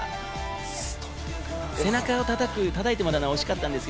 背中をたたいてもらうのは惜しかったんですね。